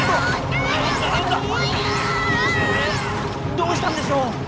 どうしたんでしょう？